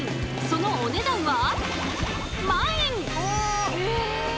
そのお値段は。